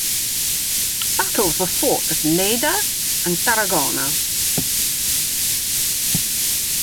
Battles were fought at Lleida and Tarragona.